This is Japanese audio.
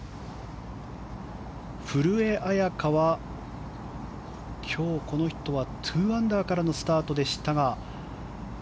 古江彩佳は今日、この人は２アンダーからのスタートでしたが。